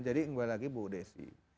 jadi kembali lagi bu udesi